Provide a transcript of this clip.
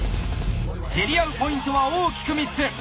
競り合うポイントは大きく３つ。